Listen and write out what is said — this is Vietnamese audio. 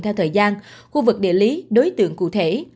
theo thời gian khu vực địa lý đối tượng cụ thể